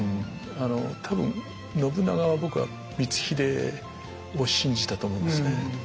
あの多分信長は僕は光秀を信じたと思うんですね。